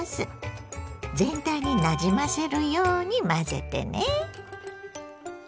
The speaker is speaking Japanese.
全体になじませるように混ぜてね。